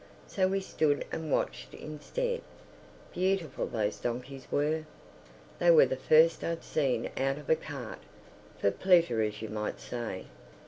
So we stood and watched instead. Beautiful those donkeys were! They were the first I'd seen out of a cart—for pleasure as you might say.